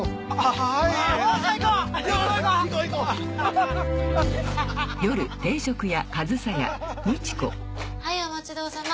はいお待ちどおさま